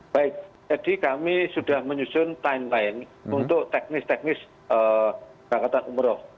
baik jadi kami sudah menyusun timeline untuk teknis teknis berangkatan umroh